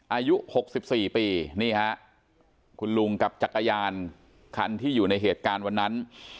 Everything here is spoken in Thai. อายุ๖๔ปีนี่ฮะคุณลุงกับจักรยานคันที่อยู่ในเหตุการณ์วันนั้น